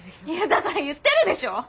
いやだから言ってるでしょ！